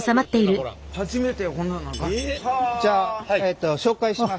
じゃあ紹介します。